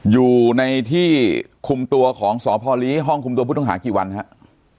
อยู่ในที่คุมตัวของสพลีห้องคุมตัวผู้ต้องหากี่วันครับ